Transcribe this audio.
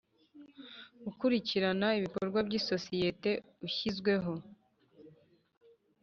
gukurikirana ibikorwa by isosiyete Ushyizweho